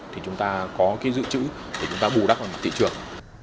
thì chúng ta có cái dự trữ để chúng ta bù đắp vào mặt thị trường